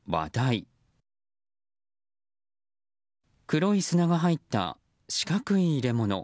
黒い砂が入った四角い入れ物。